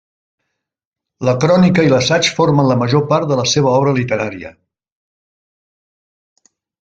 La crònica i l'assaig formen la major part de la seva obra literària.